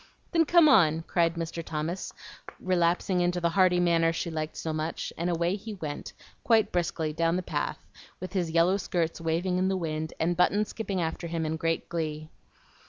"Then come on," cried Mr. Thomas, relapsing into the hearty manner she liked so much; and away he went, quite briskly, down the path, with his yellow skirts waving in the wind, and Button skipping after him in great glee.